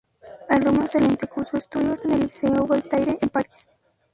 Alumno excelente, cursó estudios en el Liceo Voltaire, en Paris.